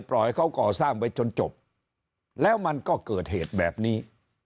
ปล่อยเขาก่อสร้างไปจนจบแล้วมันก็เกิดเหตุแบบนี้